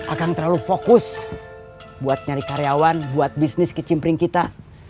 akang terlalu fokus buat nyari karyawan buat bisnis ke cimpring kita